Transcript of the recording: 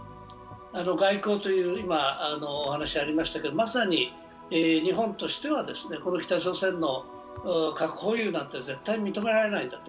外交というお話ありましたけど、まさに日本としては北朝鮮の核保有なんて絶対に認められないんだと。